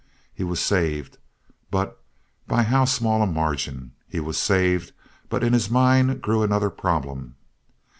He was saved, but by how small a margin! He was saved, but in his mind grew another problem.